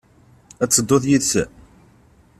Ad tedduḍ yid-sen?